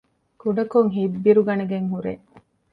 ކުޑަކޮށް ހިތްބިރުގަނެގެން ހުރޭ